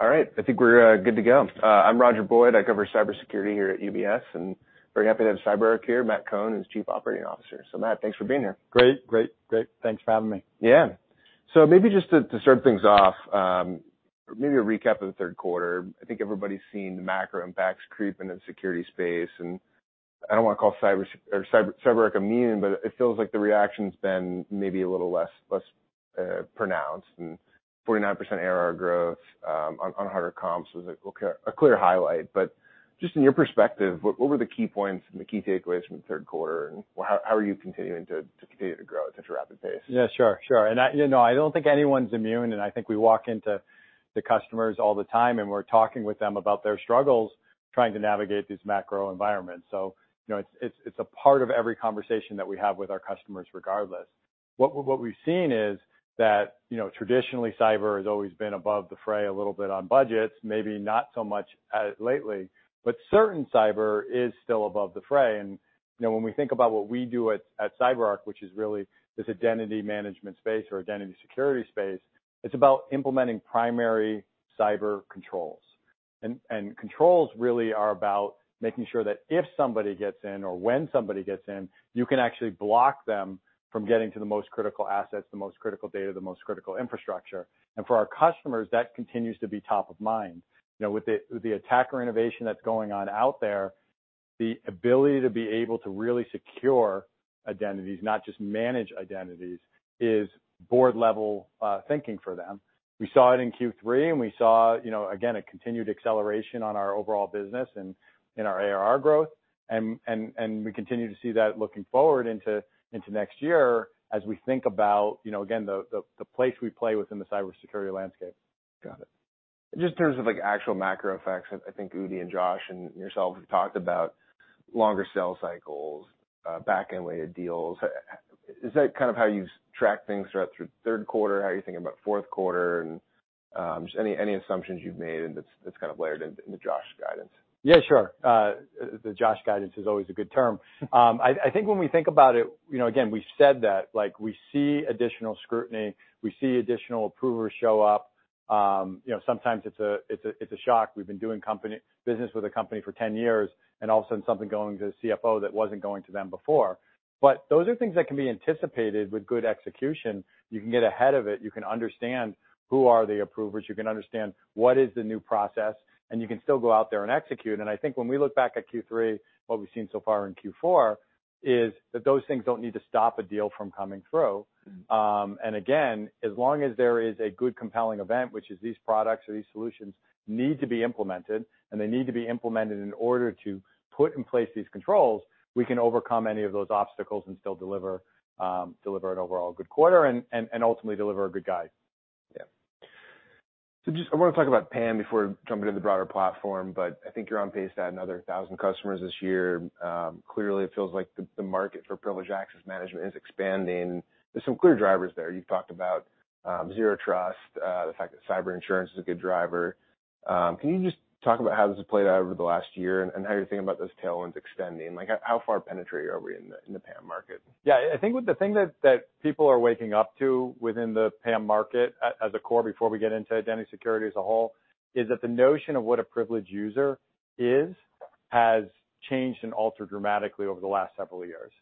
All right. I think we're good to go. I'm Roger Boyd. I cover cybersecurity here at UBS, very happy to have CyberArk here. Matt Cohen, who's Chief Operating Officer. Matt, thanks for being here. Great. Thanks for having me. Yeah. Maybe just to start things off, maybe a recap of the Q3. I think everybody's seen the macro impacts creep into the security space. I don't wanna call CyberArk immune, but it feels like the reaction's been maybe a little less pronounced. 49% ARR growth on harder comps was a clear highlight. Just in your perspective, what were the key points and the key takeaways from the Q3, how are you continuing to grow at such a rapid pace? Yeah, sure. I, you know, I don't think anyone's immune, and I think we walk into the customers all the time, and we're talking with them about their struggles trying to navigate these macro environments. You know, it's, it's a part of every conversation that we have with our customers regardless. What we've seen is that, you know, traditionally cyber has always been above the fray a little bit on budgets, maybe not so much as lately, but certain cyber is still above the fray. You know, when we think about what we do at CyberArk, which is really this identity management space or identity security space, it's about implementing primary cyber controls. Controls really are about making sure that if somebody gets in or when somebody gets in, you can actually block them from getting to the most critical assets, the most critical data, the most critical infrastructure. For our customers, that continues to be top of mind. You know, with the attacker innovation that's going on out there, the ability to be able to really secure identities, not just manage identities, is board-level thinking for them. We saw it in Q3, we saw, you know, again, a continued acceleration on our overall business and in our ARR growth. We continue to see that looking forward into next year as we think about, you know, again, the place we play within the cybersecurity landscape. Got it. Just in terms of like actual macro effects, I think Udi and Josh and yourself have talked about longer sales cycles, back-end weighted deals. Is that kind of how you track things throughout through Q3? How are you thinking about Q4? Just any assumptions you've made and that's kind of layered in the Josh guidance? Yeah, sure. The Josh guidance is always a good term. I think when we think about it, you know, again, we've said that, like, we see additional scrutiny, we see additional approvers show up. You know, sometimes it's a shock. We've been doing business with a company for 10 years. All of a sudden something going to the CFO that wasn't going to them before. Those are things that can be anticipated with good execution. You can get ahead of it. You can understand who are the approvers, you can understand what is the new process. You can still go out there and execute. I think when we look back at Q3, what we've seen so far in Q4 is that those things don't need to stop a deal from coming through. Again, as long as there is a good compelling event, which is these products or these solutions need to be implemented, and they need to be implemented in order to put in place these controls, we can overcome any of those obstacles and still deliver an overall good quarter and ultimately deliver a good guide. Yeah. Just I wanna talk about PAM before jumping to the broader platform. I think you're on pace to add another 1,000 customers this year. Clearly it feels like the market for Privileged Access Management is expanding. There's some clear drivers there. You've talked about Zero Trust, the fact that cyber insurance is a good driver. Can you just talk about how this has played out over the last year and how you're thinking about those tailwinds extending? How far penetrated are we in the PAM market? Yeah. I think with the thing that people are waking up to within the PAM market as a core before we get into identity security as a whole, is that the notion of what a privileged user is, has changed and altered dramatically over the last several years.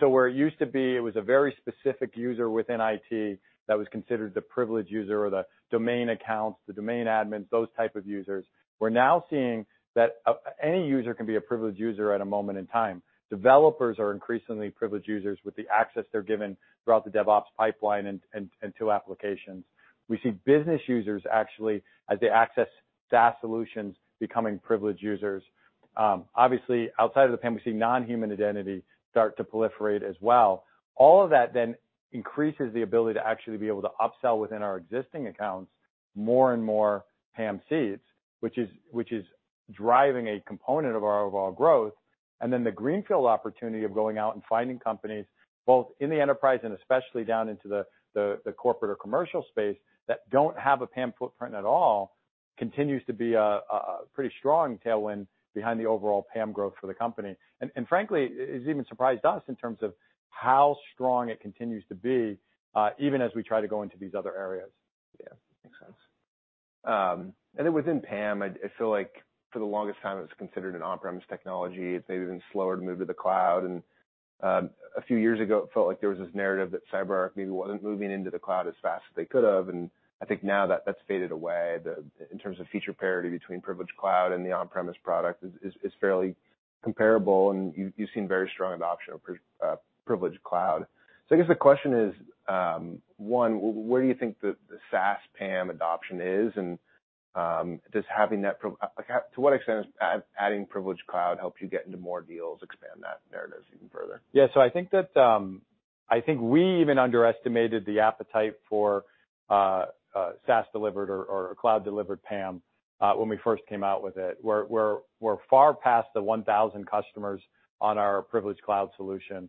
Where it used to be, it was a very specific user within IT that was considered the privileged user or the domain accounts, the domain admins, those type of users. We're now seeing that any user can be a privileged user at a moment in time. Developers are increasingly privileged users with the access they're given throughout the DevOps pipeline and to applications. We see business users actually, as they access SaaS solutions, becoming privileged users. Obviously outside of the PAM, we see non-human identity start to proliferate as well. All of that then increases the ability to actually be able to upsell within our existing accounts more and more PAM seats, which is driving a component of our overall growth. The greenfield opportunity of going out and finding companies both in the enterprise and especially down into the corporate or commercial space that don't have a PAM footprint at all, continues to be a pretty strong tailwind behind the overall PAM growth for the company. Frankly, it's even surprised us in terms of how strong it continues to be even as we try to go into these other areas. Yeah. Makes sense. Then within PAM, I feel like for the longest time it was considered an on-premise technology. It's maybe been slower to move to the cloud. A few years ago, it felt like there was this narrative that CyberArk maybe wasn't moving into the cloud as fast as they could have. I think now that that's faded away. In terms of feature parity between Privileged Cloud and the on-premise product is fairly comparable. You've seen very strong adoption of Privileged Cloud. I guess the question is, one, where do you think the SaaS PAM adoption is? Does having that Privileged Cloud help you get into more deals, expand that narrative even further? Yeah. I think that I think we even underestimated the appetite for SaaS-delivered or cloud-delivered PAM when we first came out with it. We're far past the 1,000 customers on our Privileged Cloud solution,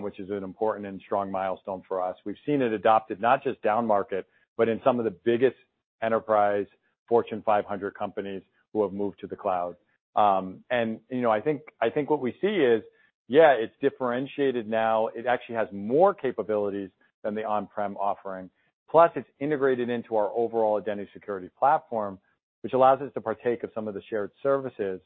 which is an important and strong milestone for us. We've seen it adopted, not just down-market, but in some of the biggest enterprise Fortune 500 companies who have moved to the cloud. You know, I think what we see is, yeah, it's differentiated now. It actually has more capabilities than the on-prem offering. Plus, it's integrated into our overall identity security platform, which allows us to partake of some of the shared services.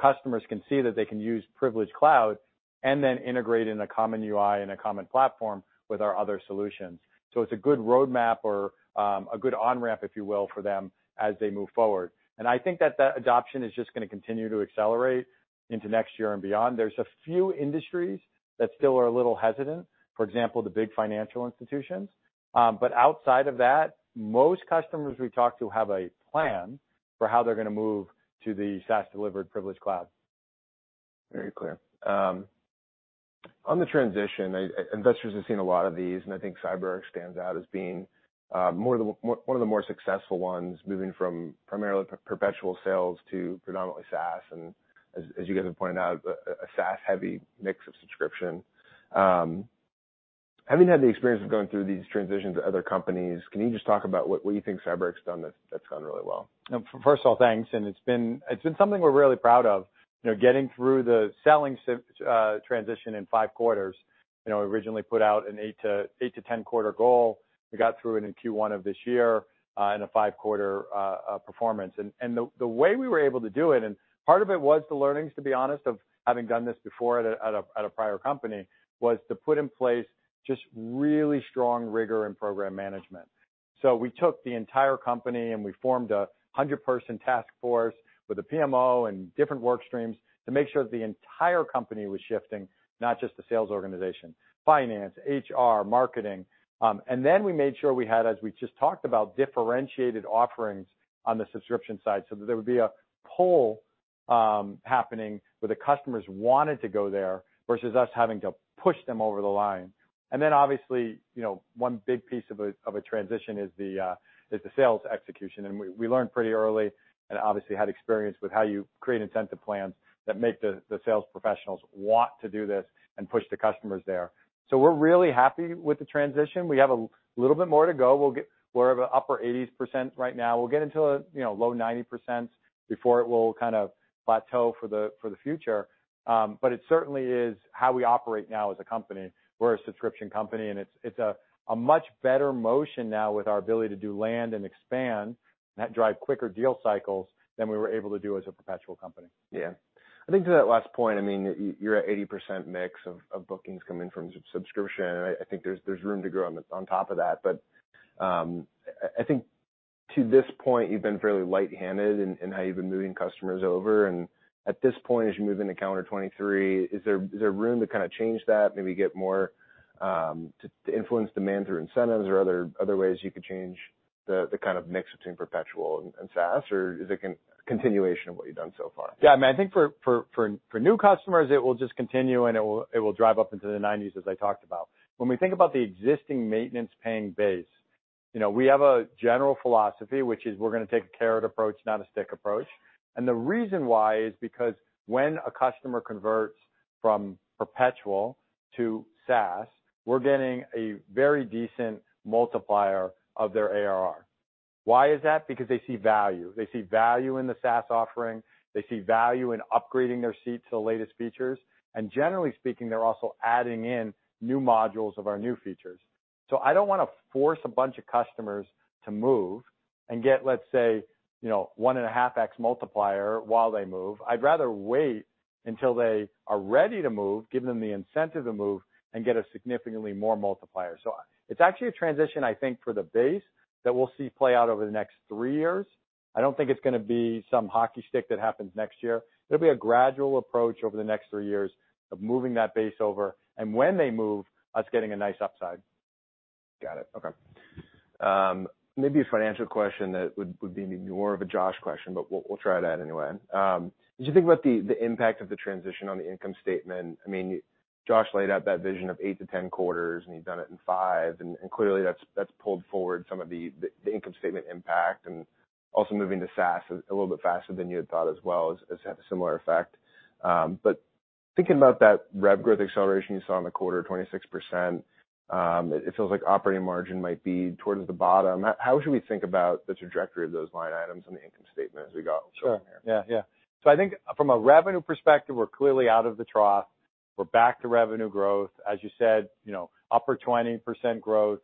Customers can see that they can use Privileged Cloud and then integrate in a common UI and a common platform with our other solutions. It's a good roadmap or, a good on-ramp, if you will, for them as they move forward. I think that that adoption is just gonna continue to accelerate into next year and beyond. There's a few industries that still are a little hesitant, for example, the big financial institutions. But outside of that, most customers we talk to have a plan for how they're gonna move to the SaaS-delivered Privileged Cloud. Very clear. On the transition, investors have seen a lot of these, and I think CyberArk stands out as being one of the more successful ones, moving from primarily perpetual sales to predominantly SaaS, and as you guys have pointed out, a SaaS-heavy mix of subscription. Having had the experience of going through these transitions at other companies. Can you just talk about what you think CyberArk's done that's gone really well? First of all, thanks. It's been something we're really proud of. You know, getting through the selling transition in 5 quarters, you know, originally put out an 8 to 10-quarter goal. We got through it in Q1 of this year in a 5-quarter performance. The way we were able to do it, and part of it was the learnings, to be honest, of having done this before at a prior company, was to put in place just really strong rigor and program management. We took the entire company, and we formed a 100-person task force with a PMO and different work streams to make sure that the entire company was shifting, not just the sales organization. Finance, HR, marketing. We made sure we had, as we just talked about, differentiated offerings on the subscription side so that there would be a pull happening where the customers wanted to go there versus us having to push them over the line. Obviously, you know, one big piece of a transition is the sales execution. We learned pretty early, and obviously had experience with how you create incentive plans that make the sales professionals want to do this and push the customers there. We're really happy with the transition. We have a little bit more to go. We're at the upper 80% right now. We'll get into, you know, low 90% before it will kind of plateau for the future. It certainly is how we operate now as a company. We're a subscription company, and it's a much better motion now with our ability to do land and expand that drive quicker deal cycles than we were able to do as a perpetual company. Yeah. I think to that last point, I mean, you're at 80% mix of bookings coming from sub-subscription, and I think there's room to grow on top of that. I think to this point, you've been fairly light-handed in how you've been moving customers over. At this point, as you move into calendar 2023, is there room to kinda change that, maybe get more to influence demand through incentives or other ways you could change the kind of mix between perpetual and SaaS? Is it continuation of what you've done so far? Yeah. I mean, I think for new customers, it will just continue, and it will drive up into the nineties, as I talked about. When we think about the existing maintenance paying base, you know, we have a general philosophy, which is we're gonna take a carrot approach, not a stick approach. The reason why is because when a customer converts from perpetual to SaaS, we're getting a very decent multiplier of their ARR. Why is that? Because they see value. They see value in the SaaS offering. They see value in upgrading their seats to the latest features. Generally speaking, they're also adding in new modules of our new features. I don't wanna force a bunch of customers to move and get, let's say, you know, one and a half X multiplier while they move. I'd rather wait until they are ready to move, give them the incentive to move, and get a significantly more multiplier. It's actually a transition, I think, for the base that we'll see play out over the next three years. I don't think it's gonna be some hockey stick that happens next year. It'll be a gradual approach over the next three years of moving that base over, and when they move, us getting a nice upside. Got it. Okay. Maybe a financial question that would be more of a Josh question, but we'll try it out anyway. As you think about the impact of the transition on the income statement, I mean, Josh laid out that vision of 8 to 10 quarters, and you've done it in 5. Clearly that's pulled forward some of the income statement impact and also moving to SaaS a little bit faster than you had thought as well has had a similar effect. Thinking about that rev growth acceleration you saw in the quarter, 26%, it feels like operating margin might be towards the bottom. How, how should we think about the trajectory of those line items on the income statement as we go from here? Sure. Yeah, yeah. I think from a revenue perspective, we're clearly out of the trough. We're back to revenue growth. As you said, you know, upper 20% growth,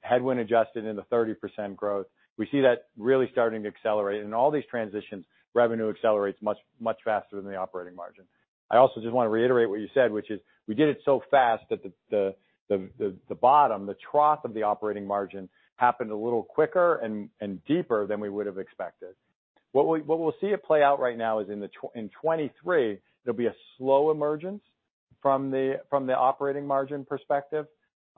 headwind adjusted into 30% growth. We see that really starting to accelerate. In all these transitions, revenue accelerates much, much faster than the operating margin. I also just wanna reiterate what you said, which is we did it so fast that the bottom, the trough of the operating margin happened a little quicker and deeper than we would've expected. What we'll see it play out right now is in 2023, there'll be a slow emergence from the operating margin perspective,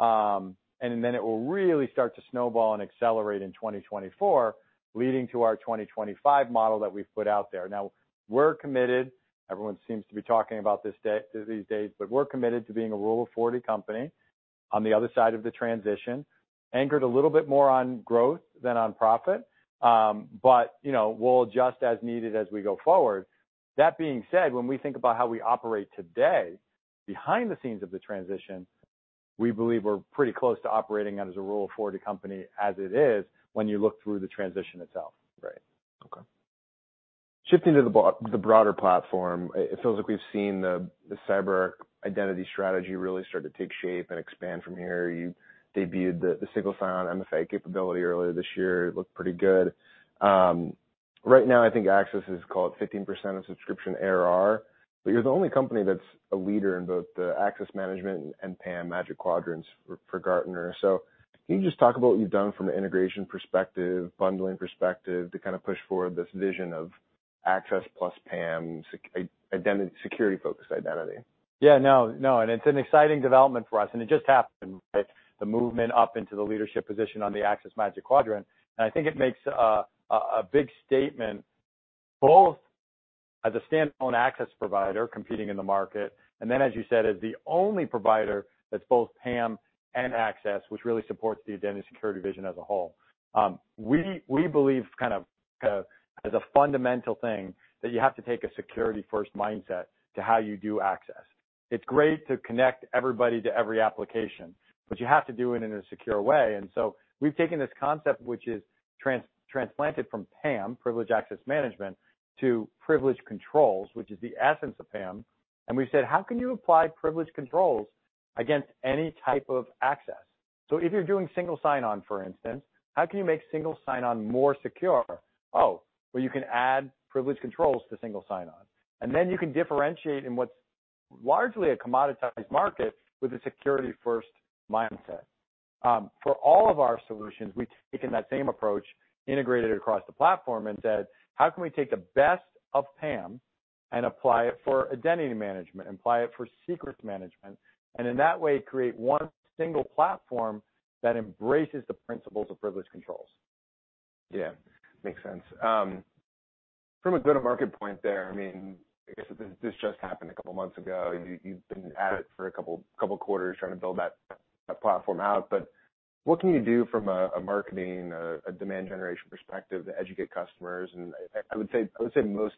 and then it will really start to snowball and accelerate in 2024, leading to our 2025 model that we've put out there. Now, we're committed, everyone seems to be talking about these days, but we're committed to being a Rule of 40 company on the other side of the transition, anchored a little bit more on growth than on profit. You know, we'll adjust as needed as we go forward. That being said, when we think about how we operate today behind the scenes of the transition, we believe we're pretty close to operating as a Rule of 40 company as it is when you look through the transition itself. Right. Okay. Shifting to the broader platform, it feels like we've seen the CyberArk identity strategy really start to take shape and expand from here. You debuted the single sign-on MFA capability earlier this year. It looked pretty good. Right now, I think access is called 15% of subscription ARR, but you're the only company that's a leader in both the access management and PAM Magic Quadrants for Gartner. Can you just talk about what you've done from an integration perspective, bundling perspective to kind of push forward this vision of access plus PAM security focused identity? Yeah, no. It's an exciting development for us, and it just happened, right? The movement up into the leadership position on the Access Magic Quadrant. I think it makes a big statement both as a standalone access provider competing in the market, and then, as you said, as the only provider that's both PAM and access, which really supports the identity security vision as a whole. We believe kind of, as a fundamental thing that you have to take a security first mindset to how you do access. It's great to connect everybody to every application, but you have to do it in a secure way. We've taken this concept, which is transplanted from PAM, Privileged Access Management, to privilege controls, which is the essence of PAM, and we've said, "How can you apply privilege controls against any type of access?" If you're doing single sign-on, for instance, how can you make single sign-on more secure? Well, you can add privilege controls to single sign-on, and then you can differentiate in what's largely a commoditized market with a security-first mindset. For all of our solutions, we've taken that same approach, integrated it across the platform and said, "How can we take the best of PAM and apply it for identity management, apply it for secrets management, and in that way, create one single platform that embraces the principles of privileged controls? Yeah. Makes sense. From a go-to-market point there, I mean, I guess this just happened a couple of months ago. You've been at it for a couple quarters trying to build that platform out. What can you do from a marketing, a demand generation perspective to educate customers? I would say most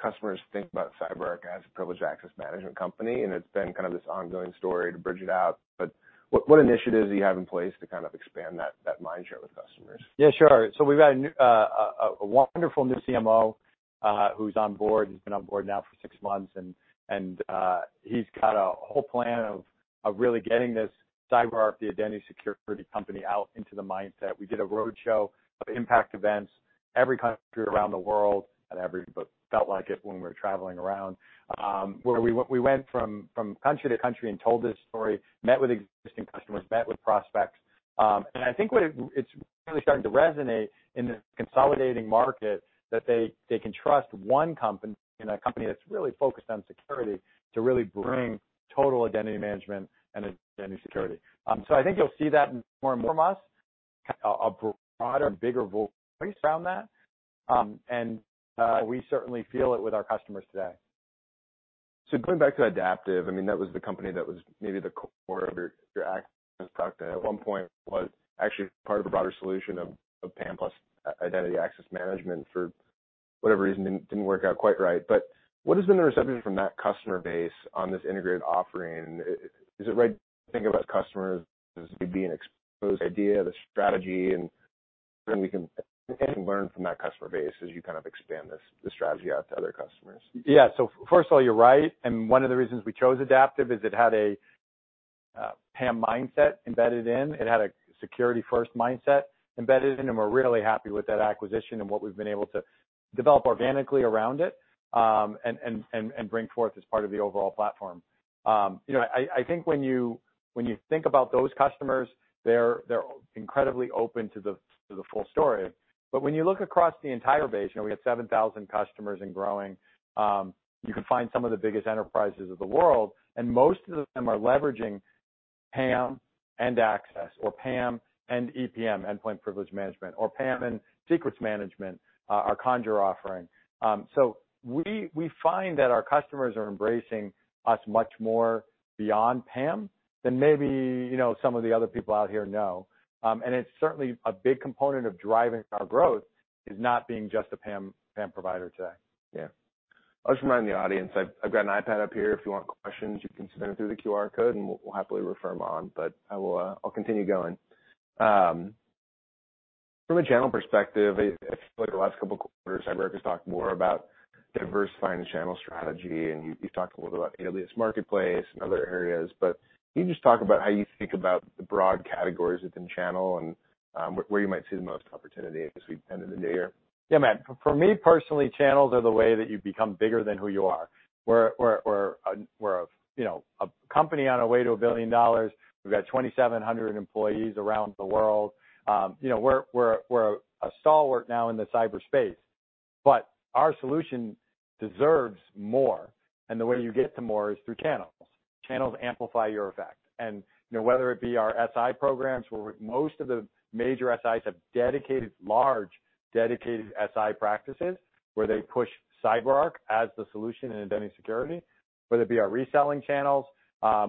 customers think about CyberArk as a Privileged Access Management company, and it's been kind of this ongoing story to bridge it out. What initiatives do you have in place to kind of expand that mind share with customers? Yeah, sure. We've had a wonderful new CMO who's on board. He's been on board now for six months, he's got a whole plan of really getting this CyberArk, the identity security company, out into the mindset. We did a roadshow of impact events, every country around the world, not every, but felt like it when we were traveling around, where we went from country to country and told this story, met with existing customers, met with prospects. I think what it's really starting to resonate in the consolidating market that they can trust one company and a company that's really focused on security to really bring total identity management and identity security. I think you'll see that more and more from us, a broader and bigger voice around that. We certainly feel it with our customers today. Going back to Adaptive, I mean, that was the company that was maybe the core of your access product. At one point was actually part of a broader solution of PAM plus identity access management for whatever reason, didn't work out quite right. What has been the reception from that customer base on this integrated offering? Is it right to think about customers as maybe an exposed idea, the strategy? Anything learned from that customer base as you kind of expand this strategy out to other customers? Yeah. First of all, you're right. One of the reasons we chose Adaptive is it had a PAM mindset embedded in. It had a security-first mindset embedded in, and we're really happy with that acquisition and what we've been able to develop organically around it, and bring forth as part of the overall platform. You know, I think when you think about those customers, they're incredibly open to the full story. When you look across the entire base, you know, we have 7,000 customers and growing, you can find some of the biggest enterprises of the world, and most of them are leveraging PAM and access or PAM and EPM, Endpoint Privilege Manager, or PAM and secrets management, our Conjur offering. We find that our customers are embracing us much more beyond PAM than maybe, you know, some of the other people out here know. It's certainly a big component of driving our growth is not being just a PAM provider today. Yeah. I'll just remind the audience, I've got an iPad up here. If you want questions, you can send them through the QR code, and we'll happily refer them on. I will continue going. From a channel perspective, I feel like the last couple of quarters, CyberArk has talked more about diversifying the channel strategy, and you talked a little about CyberArk Marketplace and other areas. Can you just talk about how you think about the broad categories within channel and where you might see the most opportunity as we end the new year? Yeah, Matt. For me, personally, channels are the way that you become bigger than who you are. We're a, you know, a company on our way to $1 billion. We've got 2,700 employees around the world. you know, we're a stalwart now in the cyberspace, but our solution deserves more, and the way you get to more is through channels. Channels amplify your effect. you know, whether it be our SI programs, where most of the major SIs have dedicated, large, dedicated SI practices, where they push CyberArk as the solution in identity security, whether it be our reselling channels,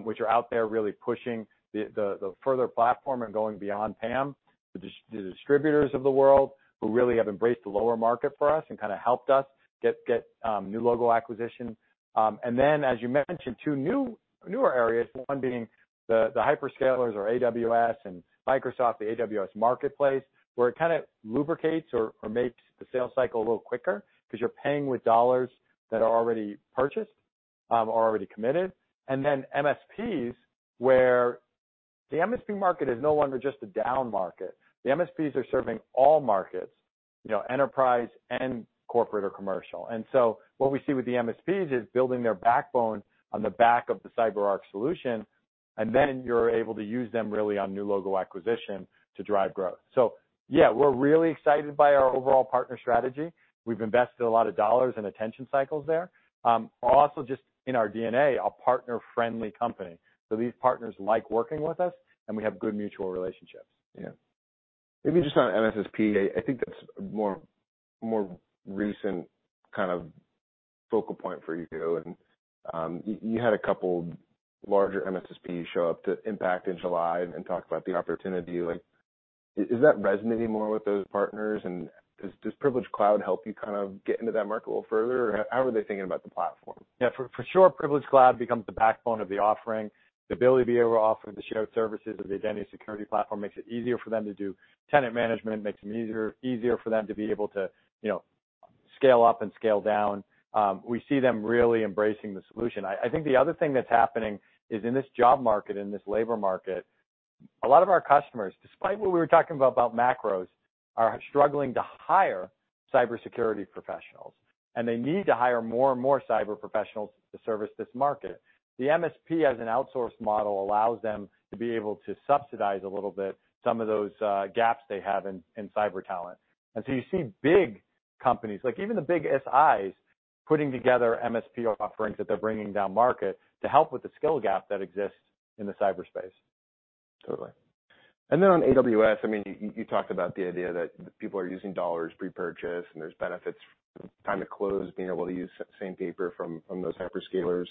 which are out there really pushing the further platform and going beyond PAM. The distributors of the world who really have embraced the lower market for us and kinda helped us get new logo acquisition. Then, as you mentioned, two new, newer areas, one being the hyperscalers or AWS and Microsoft, the AWS Marketplace, where it kinda lubricates or makes the sales cycle a little quicker because you're paying with $ that are already purchased or already committed. MSPs. The MSP market is no longer just a down market. The MSPs are serving all markets, you know, enterprise and corporate or commercial. So what we see with the MSPs is building their backbone on the back of the CyberArk solution, and then you're able to use them really on new logo acquisition to drive growth. Yeah, we're really excited by our overall partner strategy. We've invested a lot of dollars and attention cycles there. Also just in our DNA, a partner-friendly company. These partners like working with us, and we have good mutual relationships. Yeah. Maybe just on MSSP, I think that's more, more recent kind of focal point for you. You had two larger MSSPs show up to Impact in July and talk about the opportunity, like is that resonating more with those partners? Does Privileged Cloud help you kind of get into that market a little further? Or how are they thinking about the platform? Yeah, for sure, Privilege Cloud becomes the backbone of the offering. The ability to be able to offer the shared services of the identity security platform makes it easier for them to do tenant management, makes it easier for them to be able to, you know, scale up and scale down. We see them really embracing the solution. I think the other thing that's happening is in this job market, in this labor market, a lot of our customers, despite what we were talking about macros, are struggling to hire cybersecurity professionals, and they need to hire more and more cyber professionals to service this market. The MSP as an outsource model allows them to be able to subsidize a little bit some of those gaps they have in cyber talent. You see big companies, like even the big SIs, putting together MSP offerings that they're bringing down market to help with the skill gap that exists in the cyberspace. Totally. On AWS, I mean, you talked about the idea that people are using dollars pre-purchase, and there's benefits time to close, being able to use same paper from those hyperscalers.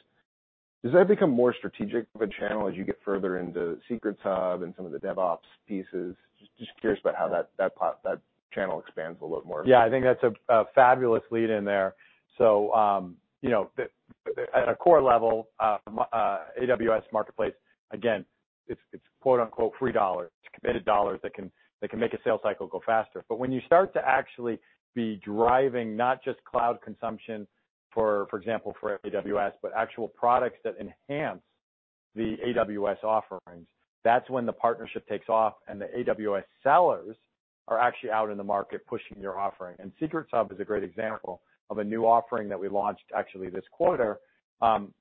Does that become more strategic of a channel as you get further into Secrets Hub and some of the DevOps pieces? Just curious about how that channel expands a little more. Yeah, I think that's a fabulous lead in there. You know, at a core level, AWS Marketplace, again, it's quote-unquote "free dollars." It's committed dollars that can make a sales cycle go faster. When you start to actually be driving not just cloud consumption, for example, for AWS, but actual products that enhance the AWS offerings, that's when the partnership takes off and the AWS sellers are actually out in the market pushing your offering. Secrets Hub is a great example of a new offering that we launched actually this quarter,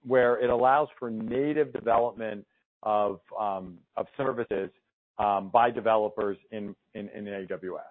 where it allows for native development of services by developers in AWS.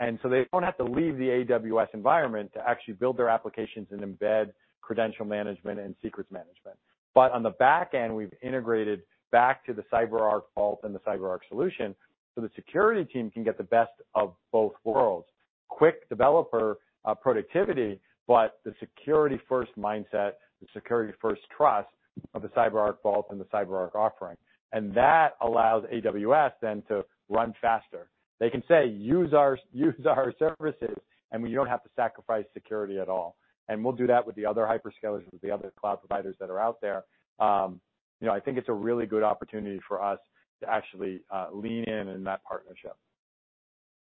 They don't have to leave the AWS environment to actually build their applications and embed credential management and secrets management. On the back end, we've integrated back to the CyberArk vault and the CyberArk solution so the security team can get the best of both worlds. Quick developer productivity, but the security-first mindset, the security-first trust of the CyberArk vault and the CyberArk offering. That allows AWS then to run faster. They can say, "Use our, use our services, and we don't have to sacrifice security at all." We'll do that with the other hyperscalers, with the other cloud providers that are out there. You know, I think it's a really good opportunity for us to actually lean in in that partnership.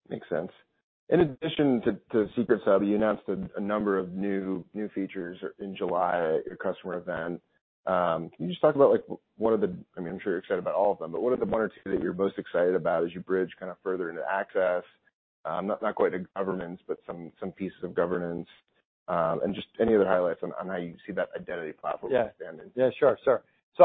Makes sense. In addition to Secrets Hub, you announced a number of new features in July at your customer event. Can you just talk about like I mean, I'm sure you're excited about all of them, but what are the one or two that you're most excited about as you bridge kind of further into access? Not quite the governance, but some pieces of governance. Just any other highlights on how you see that identity platform. Yeah. -expanding. Yeah, sure.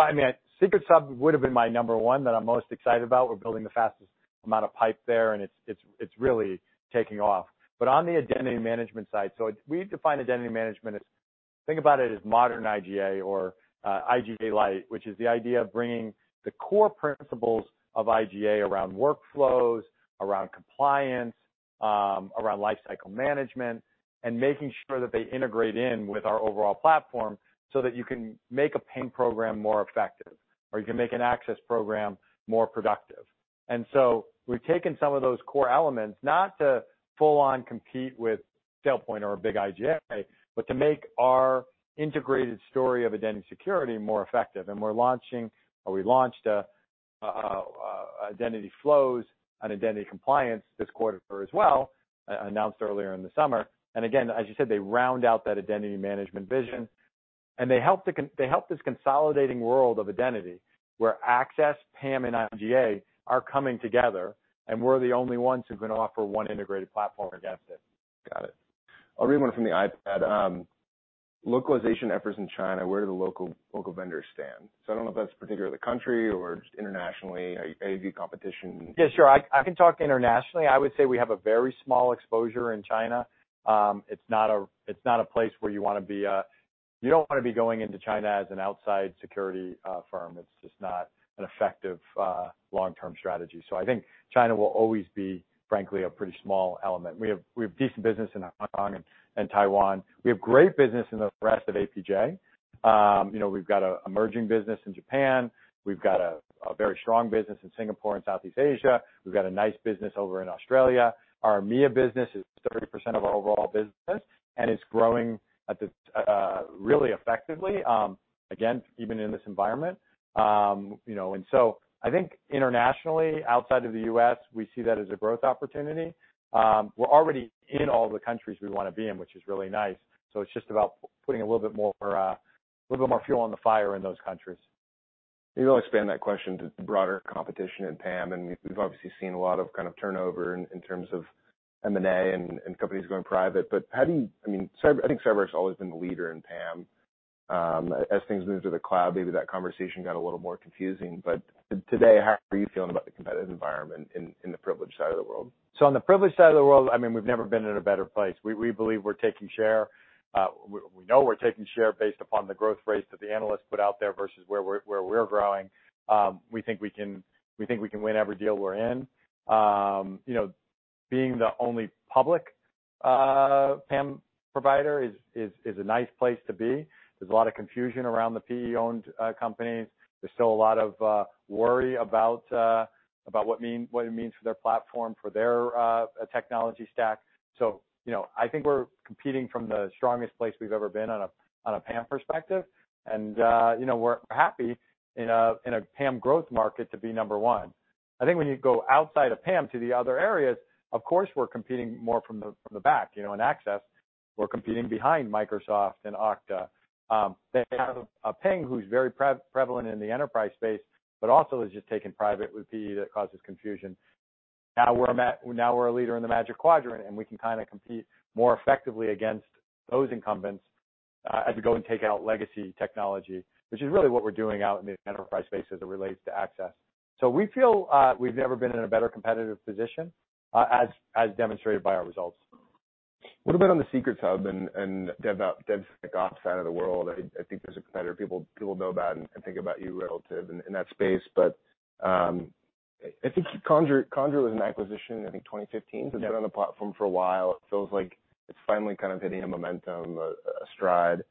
I mean, Secrets Hub would've been my number one that I'm most excited about. We're building the fastest amount of pipe there, and it's really taking off. On the identity management side, so we define identity management as, think about it as Modern IGA or IGA Lite, which is the idea of bringing the core principles of IGA around workflows, around compliance, around lifecycle management, and making sure that they integrate in with our overall platform so that you can make a payment program more effective, or you can make an access program more productive. We've taken some of those core elements, not to full on compete with SailPoint or a big IGA, but to make our integrated story of identity security more effective. We're launching, or we launched a Identity Flows and Identity Compliance this quarter as well, announced earlier in the summer. Again, as you said, they round out that identity management vision, and they help this consolidating world of identity where access, PAM, and IGA are coming together, and we're the only ones who can offer one integrated platform against it. Got it. I'll read one from the iPad. localization efforts in China, where do the local vendors stand? I don't know if that's particular to the country or just internationally. How do you view competition? Yeah, sure. I can talk internationally. I would say we have a very small exposure in China. It's not a, it's not a place where you wanna be. You don't wanna be going into China as an outside security firm. It's just not an effective long-term strategy. I think China will always be, frankly, a pretty small element. We have decent business in Hong Kong and Taiwan. We have great business in the rest of APJ. You know, we've got a emerging business in Japan. We've got a very strong business in Singapore and Southeast Asia. We've got a nice business over in Australia. Our EMEA business is 30% of our overall business, and it's growing at this really effectively, again, even in this environment. You know, I think internationally, outside of the U.S., we see that as a growth opportunity. We're already in all the countries we wanna be in, which is really nice, so it's just about putting a little bit more, little bit more fuel on the fire in those countries. Maybe I'll expand that question to broader competition in PAM, and we've obviously seen a lot of kind of turnover in terms of M&A and companies going private. I mean, I think CyberArk's always been the leader in PAM. As things move to the cloud, maybe that conversation got a little more confusing. Today, how are you feeling about the competitive environment in the privilege side of the world? On the privilege side of the world, I mean, we've never been in a better place. We believe we're taking share. We know we're taking share based upon the growth rates that the analysts put out there versus where we're growing. We think we can win every deal we're in. you know, being the only public PAM provider is a nice place to be. There's a lot of confusion around the PE-owned companies. There's still a lot of worry about what it means for their platform, for their technology stack. you know, I think we're competing from the strongest place we've ever been on a PAM perspective. you know, we're happy in a PAM growth market to be number one. I think when you go outside of PAM to the other areas, of course, we're competing more from the back. You know, in access, we're competing behind Microsoft and Okta. You have Ping, who's very prevalent in the enterprise space, but also is just taken private with PE that causes confusion. We're a leader in the Magic Quadrant, and we can kinda compete more effectively against those incumbents as we go and take out legacy technology, which is really what we're doing out in the enterprise space as it relates to access. We feel we've never been in a better competitive position as demonstrated by our results. A little bit on the Secrets Hub and DevSecOps side of the world. I think there's a competitor people know about and think about you relative in that space. I think Conjur was an acquisition in, I think, 2015. Yeah. It's been on the platform for a while. It feels like it's finally kind of hitting a momentum, a stride.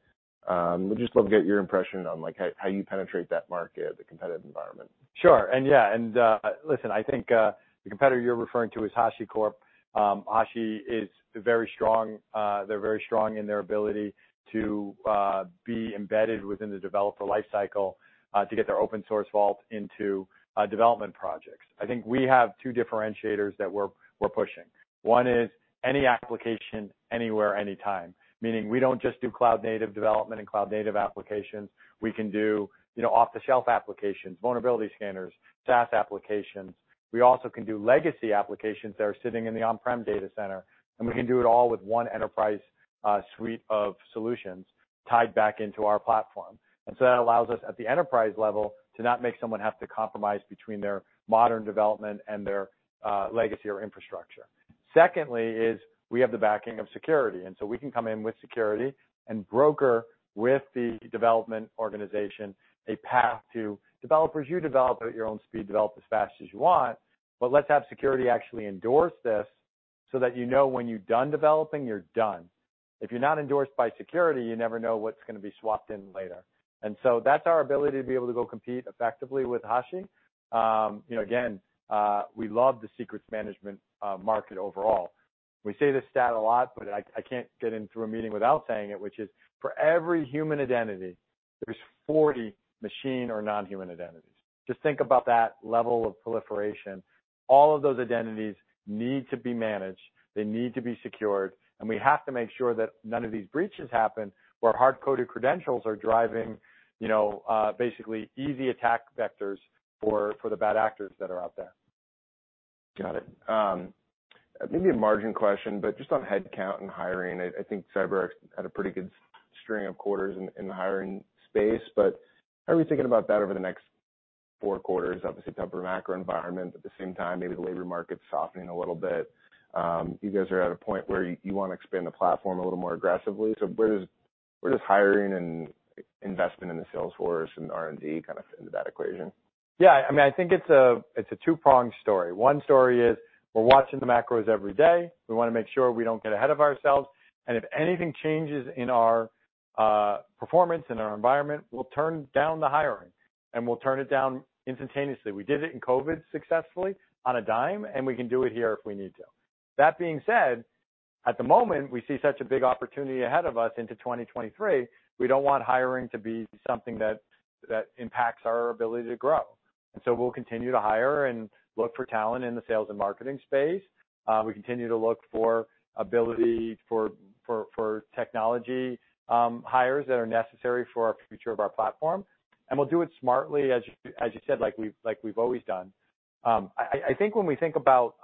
Would just love to get your impression on, like, how you penetrate that market, the competitive environment. Sure. Yeah, listen, I think the competitor you're referring to is HashiCorp. Hashi is very strong, they're very strong in their ability to be embedded within the developer life cycle, to get their open source vault into development projects. I think we have two differentiators that we're pushing. One is any application, anywhere, anytime, meaning we don't just do cloud native development and cloud native applications, we can do, you know, off-the-shelf applications, vulnerability scanners, SaaS applications. We also can do legacy applications that are sitting in the on-prem data center, and we can do it all with one enterprise suite of solutions tied back into our platform. That allows us, at the enterprise level, to not make someone have to compromise between their modern development and their legacy or infrastructure. Secondly is we have the backing of security, and so we can come in with security and broker with the development organization a path to developers. You develop at your own speed, develop as fast as you want, but let's have security actually endorse this so that you know when you're done developing, you're done. If you're not endorsed by security, you never know what's gonna be swapped in later. That's our ability to be able to go compete effectively with Hashi. You know, again, we love the secrets management market overall. We say this stat a lot, but I can't get in through a meeting without saying it, which is, for every human identity, there's 40 machine or non-human identities. Just think about that level of proliferation. All of those identities need to be managed, they need to be secured, and we have to make sure that none of these breaches happen, where hard-coded credentials are driving, you know, basically easy attack vectors for the bad actors that are out there. Got it. Maybe a margin question, but just on headcount and hiring, I think CyberArk's had a pretty good string of quarters in the hiring space. How are we thinking about that over the next four quarters? Obviously, tougher macro environment, at the same time, maybe the labor market's softening a little bit. You guys are at a point where you wanna expand the platform a little more aggressively. Where does hiring and investment in the sales force and R&D kind of into that equation? I mean, I think it's a two-pronged story. One story is we're watching the macros every day. We wanna make sure we don't get ahead of ourselves. If anything changes in our performance and our environment, we'll turn down the hiring, and we'll turn it down instantaneously. We did it in COVID successfully on a dime, and we can do it here if we need to. That being said, at the moment, we see such a big opportunity ahead of us into 2023, we don't want hiring to be something that impacts our ability to grow. So we'll continue to hire and look for talent in the sales and marketing space. We continue to look for ability for technology hires that are necessary for our future of our platform. We'll do it smartly, as you said, like we've always done. I think when we think about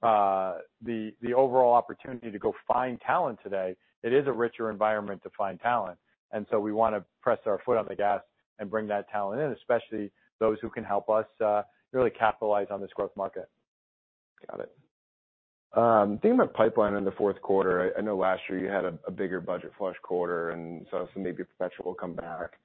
the overall opportunity to go find talent today, it is a richer environment to find talent. We wanna press our foot on the gas and bring that talent in, especially those who can help us really capitalize on this growth market. Got it. Thinking about pipeline in the Q4, I know last year you had a bigger budget flush quarter, and so some maybe perpetual come back.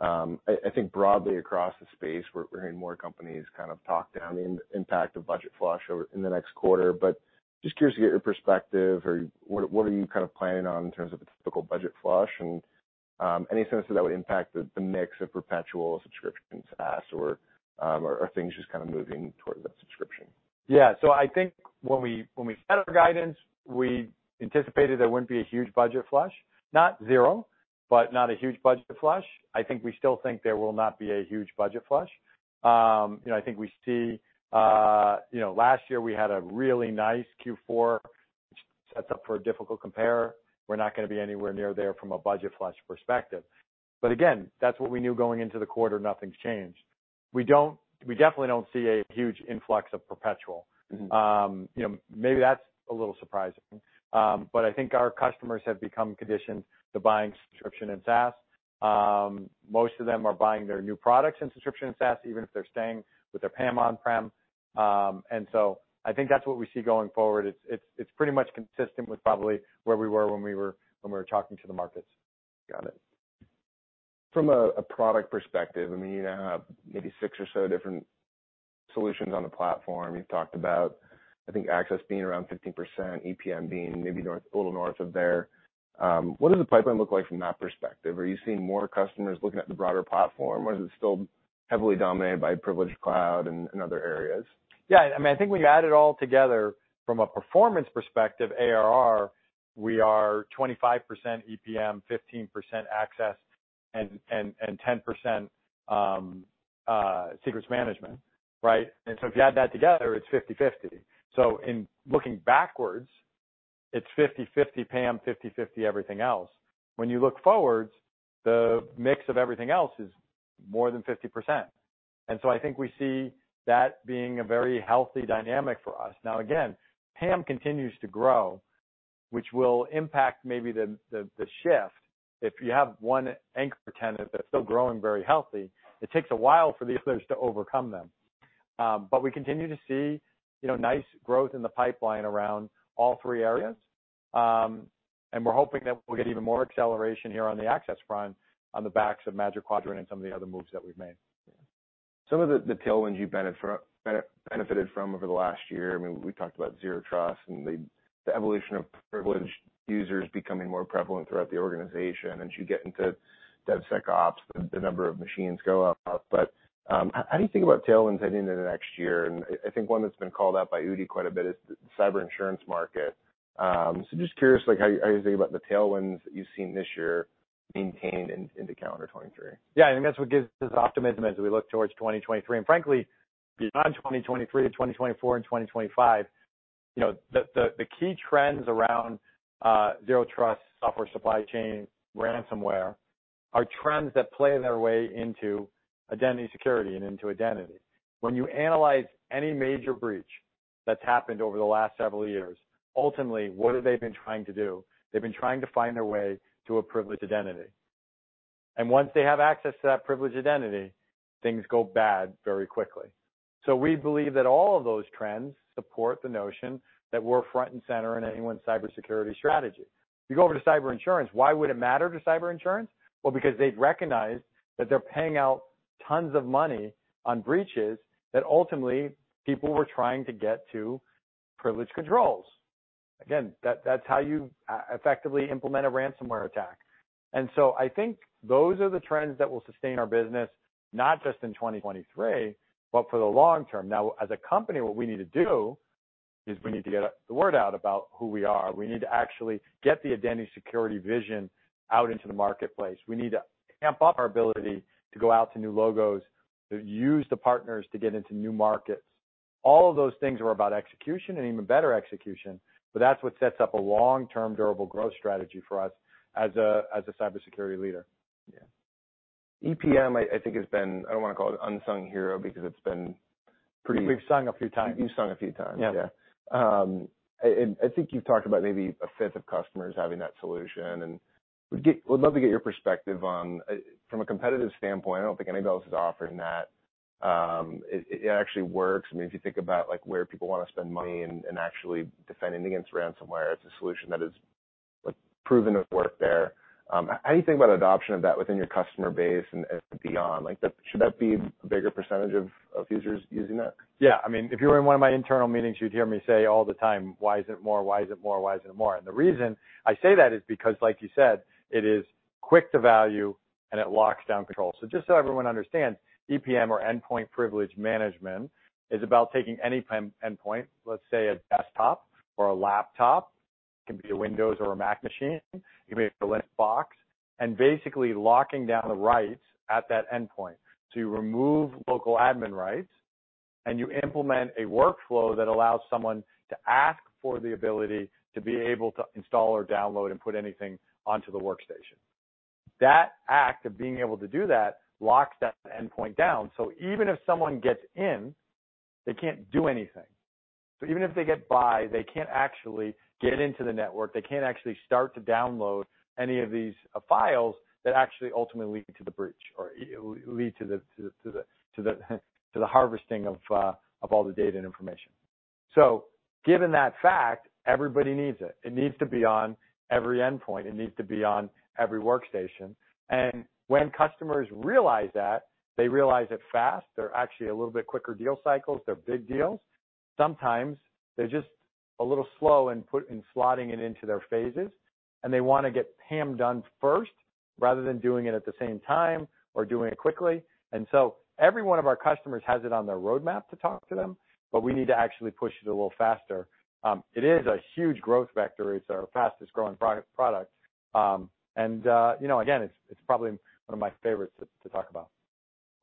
I think broadly across the space, we're hearing more companies kind of talk down in impact of budget flush over in the next quarter, but just curious to get your perspective or what are you kind of planning on in terms of a typical budget flush? Any sense of how that would impact the mix of perpetual subscription SaaS or are things just kinda moving towards that subscription? Yeah. I think when we set our guidance, we anticipated there wouldn't be a huge budget flush. Not zero, but not a huge budget flush. I think we still think there will not be a huge budget flush. you know, I think we see, you know, last year we had a really nice Q4 sets up for a difficult compare. We're not gonna be anywhere near there from a budget flush perspective. Again, that's what we knew going into the quarter, nothing's changed. We definitely don't see a huge influx of perpetual. Mm-hmm. You know, maybe that's a little surprising. I think our customers have become conditioned to buying subscription and SaaS. Most of them are buying their new products in subscription and SaaS, even if they're staying with their PAM on-prem. I think that's what we see going forward. It's pretty much consistent with probably where we were when we were talking to the markets. Got it. From a product perspective, I mean, you now have maybe six or so different solutions on the platform. You've talked about, I think, access being around 15%, EPM being maybe a little north of there. What does the pipeline look like from that perspective? Are you seeing more customers looking at the broader platform, or is it still heavily dominated by CyberArk Privilege Cloud and other areas? Yeah. I mean, I think when you add it all together, from a performance perspective, ARR, we are 25% EPM, 15% access, and 10% secrets management, right? If you add that together, it's 50/50. In looking backwards, it's 50/50 PAM, 50/50 everything else. When you look forwards, the mix of everything else is more than 50%. I think we see that being a very healthy dynamic for us. Now again, PAM continues to grow, which will impact maybe the shift. If you have one anchor tenant that's still growing very healthy, it takes a while for the others to overcome them. We continue to see, you know, nice growth in the pipeline around all three areas. We're hoping that we'll get even more acceleration here on the access front on the backs of Magic Quadrant and some of the other moves that we've made. Some of the tailwinds you've benefited from over the last year, I mean, we talked about Zero Trust and the evolution of privileged users becoming more prevalent throughout the organization. As you get into DevSecOps, the number of machines go up. How, how do you think about tailwinds heading into next year? I think one that's been called out by Udi quite a bit is the cyber insurance market. Just curious, like how you think about the tailwinds that you've seen this year maintain in, into calendar 2023? Yeah, I think that's what gives us optimism as we look towards 2023. Frankly, beyond 2023 to 2024 and 2025, you know, the key trends around Zero Trust, software supply chain, ransomware, are trends that play their way into identity security and into identity. When you analyze any major breach that's happened over the last several years, ultimately, what have they been trying to do? They've been trying to find their way to a privileged identity. Once they have access to that privileged identity, things go bad very quickly. We believe that all of those trends support the notion that we're front and center in anyone's cybersecurity strategy. If you go over to cyber insurance, why would it matter to cyber insurance? Well, because they've recognized that they're paying out tons of money on breaches that ultimately people were trying to get to privileged controls. Again, that's how you effectively implement a ransomware attack. I think those are the trends that will sustain our business, not just in 2023, but for the long term. Now, as a company, what we need to do is we need to get the word out about who we are. We need to actually get the identity security vision out into the marketplace. We need to amp up our ability to go out to new logos, to use the partners to get into new markets. All of those things are about execution and even better execution, that's what sets up a long-term durable growth strategy for us as a cybersecurity leader. Yeah. EPM, I think has been, I don't wanna call it unsung hero because it's been pretty- We've sung a few times. You've sung a few times. Yeah. Yeah. I think you've talked about maybe a 5th of customers having that solution, and would love to get your perspective on, from a competitive standpoint, I don't think anybody else is offering that. It actually works. I mean, if you think about like where people wanna spend money and actually defending against ransomware, it's a solution that has, like, proven to work there. How do you think about adoption of that within your customer base and beyond? Like, should that be a bigger percentage of users using that? Yeah. I mean, if you were in one of my internal meetings, you'd hear me say all the time, "Why isn't it more? Why isn't it more? Why isn't it more?" The reason I say that is because, like you said, it is quick to value, and it locks down control. Just so everyone understands, EPM or Endpoint Privilege Manager is about taking any endpoint, let's say a desktop or a laptop, it can be a Windows or a Mac machine, it can be a Linux box, and basically locking down the rights at that endpoint. You remove local admin rights, and you implement a workflow that allows someone to ask for the ability to be able to install or download and put anything onto the workstation. That act of being able to do that locks that endpoint down, so even if someone gets in, they can't do anything. Even if they get by, they can't actually get into the network, they can't actually start to download any of these files that actually ultimately lead to the breach or lead to the harvesting of all the data and information. Given that fact, everybody needs it. It needs to be on every endpoint. It needs to be on every workstation. When customers realize that, they realize it fast. They're actually a little bit quicker deal cycles. They're big deals. Sometimes they're just a little slow in slotting it into their phases, and they wanna get PAM done first rather than doing it at the same time or doing it quickly. Every one of our customers has it on their roadmap to talk to them, but we need to actually push it a little faster. It is a huge growth vector. It's our fastest-growing product. You know, again, it's probably one of my favorites to talk about.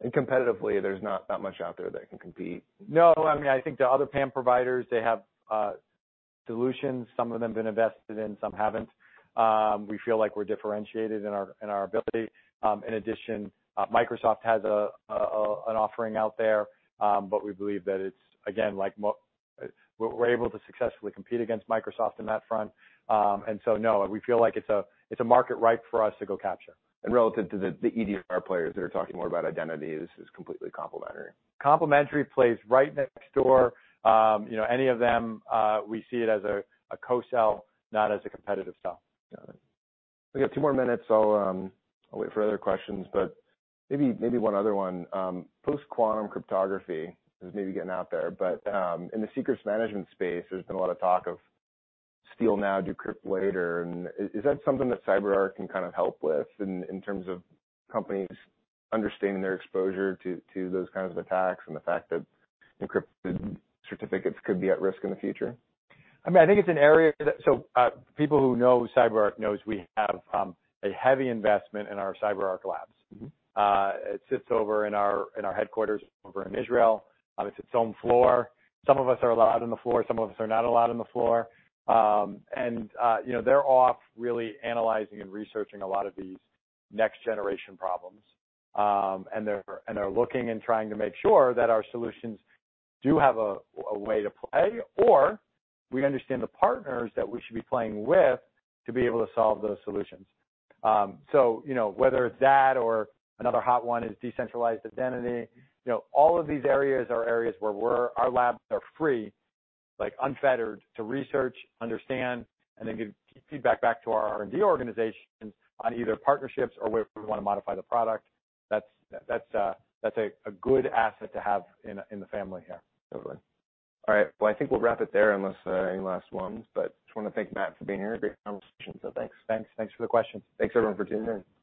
Competitively, there's not much out there that can compete? No. I mean, I think the other PAM providers, they have solutions. Some of them have been invested in, some haven't. We feel like we're differentiated in our, in our ability. In addition, Microsoft has an offering out there, but we believe that it's again, like We're able to successfully compete against Microsoft in that front. No, we feel like it's a, it's a market ripe for us to go capture. Relative to the EDR players that are talking more about identities is completely complementary. Complementary plays right next door. You know, any of them, we see it as a co-sell, not as a competitive sell. Got it. We got two more minutes, so I'll wait for other questions, but maybe one other one. Post-quantum cryptography is maybe getting out there, but in the secrets management space, there's been a lot of talk of steal now, decrypt later. Is that something that CyberArk can kind of help with in terms of companies understanding their exposure to those kinds of attacks and the fact that encrypted certificates could be at risk in the future? I mean, I think it's an area people who know CyberArk knows we have a heavy investment in our CyberArk Labs. It sits over in our, in our headquarters over in Israel, it's its own floor. Some of us are allowed on the floor, some of us are not allowed on the floor. You know, they're off really analyzing and researching a lot of these next generation problems. They're looking and trying to make sure that our solutions do have a way to play, or we understand the partners that we should be playing with to be able to solve those solutions. You know, whether it's that or another hot one is decentralized identity, you know, all of these areas are areas where our labs are free, like unfettered to research, understand, and then give feedback back to our R&D organizations on either partnerships or where we wanna modify the product. That's a good asset to have in the family here. Totally. All right. I think we'll wrap it there unless there are any last ones, but just wanna thank Matt for being here. Great conversation. Thanks. Thanks. Thanks for the questions. Thanks everyone for tuning in.